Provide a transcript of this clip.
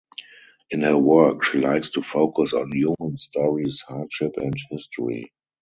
In her work, she likes to focus on human stories, hardship and history.